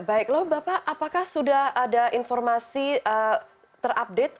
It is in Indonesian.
baik lalu bapak apakah sudah ada informasi terupdate